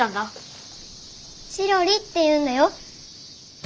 チロリっていうんだよ。